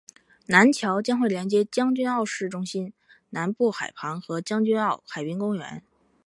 南桥将会连接将军澳市中心南部海旁和将军澳海滨公园。